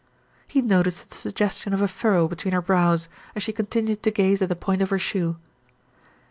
He noticed the suggestion of a furrow between her brows, as she continued to gaze at the point of her shoe.